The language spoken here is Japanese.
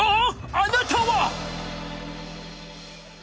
あなたは！